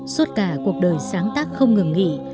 suốt cả cuộc đời sáng tác không ngừng nghỉ